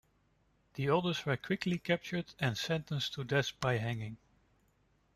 The others were quickly recaptured and sentenced to death by hanging.